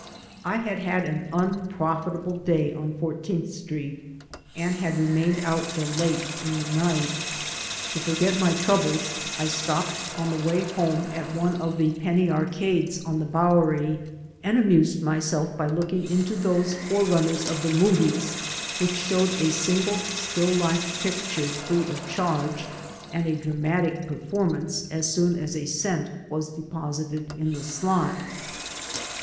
I had had an u]q>rofitahle day on Fourteenth Street and had ronained out till late in the nj^t. To forget my VENTURES AND ADVENTURES troubles I stopped on the way home at one of the "penny arcades'' on the Bowery, and amused myself by looking into those forerunners of the movies which showed a single still life picture free of charge and a dramatic performance as soon as a cent was deposited in the slot.